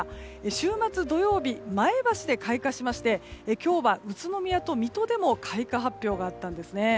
週末土曜日前橋で開花しまして今日は宇都宮と水戸でも開花発表があったんですね。